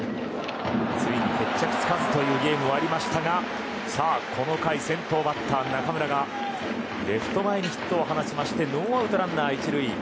ついに決着つかずというゲームもありましたがこの回、先頭バッター中村がレフト前にヒットを放ちましてノーアウト、ランナー１塁。